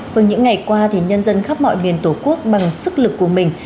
vâng những ngày qua thì nhân dân khắp mọi miền tổ quốc bằng sức lực của mình